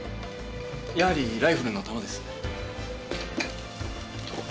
やはりライフルの弾ですよね？